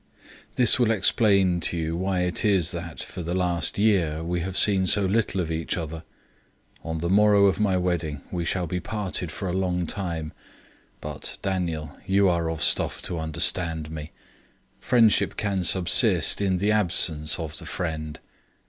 This will explain to you why it is that, for the last year, we have seen so little of each other. On the morrow of my wedding we shall be parted for a long time; but, Daniel, you are of stuff to understand me. Friendship can subsist in the absence of the friend.